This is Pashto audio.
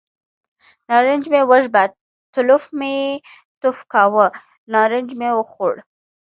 نارنج مې وژبه، تلوف مې یې توف کاوه، نارنج مې خوړ.